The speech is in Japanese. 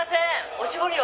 おしぼりを！」